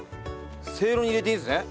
せいろに入れていいですね？